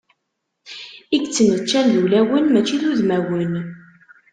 I yettmeččan d ulawen mačči d udmawen.